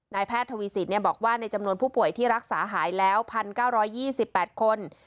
แพทย์ทวีสินบอกว่าในจำนวนผู้ป่วยที่รักษาหายแล้ว๑๙๒๘คน